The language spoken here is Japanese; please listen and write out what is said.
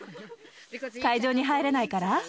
会場に入れないから？